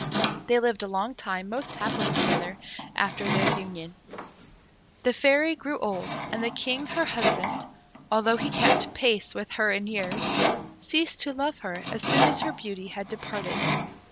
They lived a long time most happily together after their union. The Fairy grew old, and the King, her husband, although he kept pace with her in years, ceased to love her as soon as her beauty had departed.